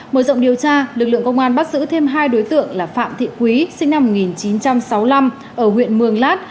mở rộng điều tra lực lượng công an bắt giữ thêm hai đối tượng là phạm thị quý sinh năm một nghìn chín trăm sáu mươi năm ở huyện mường lát